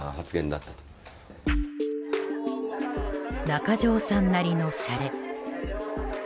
中条さんなりのしゃれ。